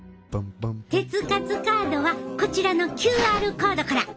鉄活カードはこちらのＱＲコードから！